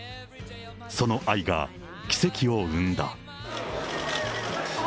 その愛が、奇跡を生んだ。